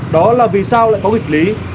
đó là vì sao lại có nghịch lý